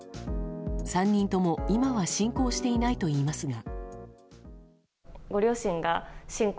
３人とも今は信仰していないといいますが。